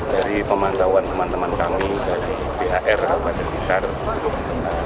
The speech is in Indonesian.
tim hisap rukyat wilayah kerja kediri kabupaten blitar yang melakukan pengamatan